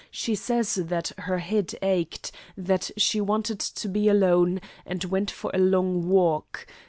She says that her head ached, that she wanted to be alone, and went for a long walk.